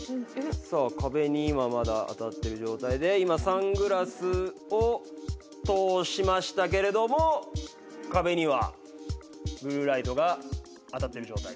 さあ壁に今まだ当たってる状態で今サングラスを通しましたけれども壁にはブルーライトが当たってる状態。